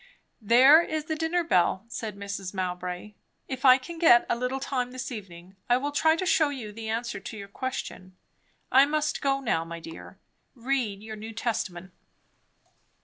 "There is the dinner bell," said Mrs. Mowbray. "If I can get a little time this evening, I will try to shew you the answer to your question. I must go now, my dear. Read your New Testament."